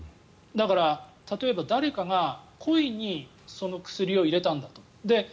だから例えば、誰かが故意にその薬を入れたんだと。